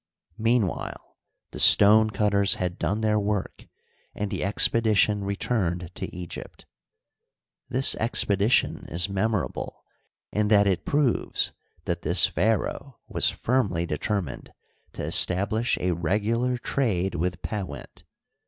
Meanwhile the stone cutters had done their work, and the expedition returned to Egypt. This expedition is memo rable in that it proves that this pharaoh was firmly deter mined to establish a regular trade with. Pewent.